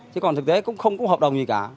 chứ còn thực tế cũng không có hợp đồng gì cả